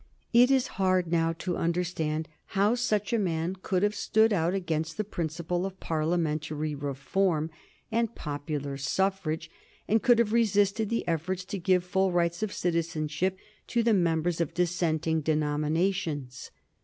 It is hard now to understand how such a man could have stood out against the principle of Parliamentary reform and popular suffrage, and could have resisted the efforts to give full rights of citizenship to the members of dissenting denominations.